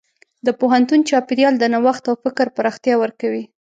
د پوهنتون چاپېریال د نوښت او فکر پراختیا ورکوي.